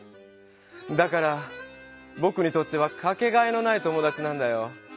だからぼくにとってはかけがえのない友だちなんだよ。